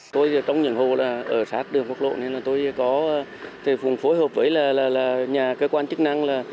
tôi trong những hồ ở sát đường quốc lộ nên tôi có phối hợp với nhà cơ quan chức năng